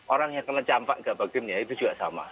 orang yang kena campak gak bagiannya itu juga sama